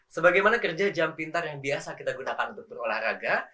sebagaimana kerja jam pintar yang biasa kita gunakan untuk berolahraga